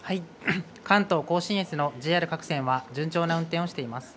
関東甲信越のＪＲ各線は、順調な運転をしています。